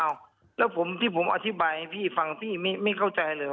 อ้าวแล้วที่ผมอธิบายให้พี่ฟังพี่ไม่เข้าใจเลย